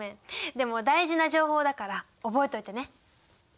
でも大事な情報だから覚えておいてね！